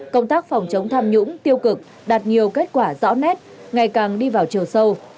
công tác phòng chống tham nhũng tiêu cực đạt nhiều kết quả rõ nét ngày càng đi vào chiều sâu